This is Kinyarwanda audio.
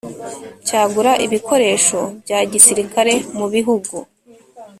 cyagura ibikoresho bya gisirikari mu bihugu